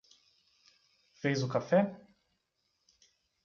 Fez o café?